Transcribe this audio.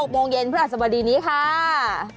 ๖โมงเย็นพระอาจารย์สวัสดีนี้ค่ะ